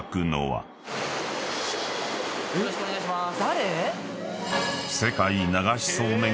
よろしくお願いします。